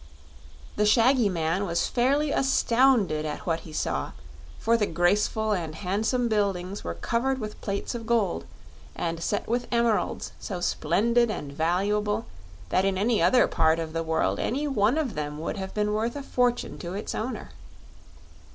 The shaggy man was fairly astounded at what he saw, for the graceful and handsome buildings were covered with plates of gold and set with emeralds so splendid and valuable that in any other part of the world any one of them would have been worth a fortune to its owner.